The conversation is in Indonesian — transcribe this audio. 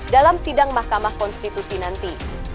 dalam sidang mahkamah konstitusi nanti